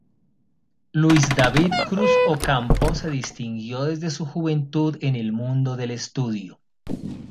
Luis David Cruz Ocampo se distinguió desde su juventud en el mundo del estudio.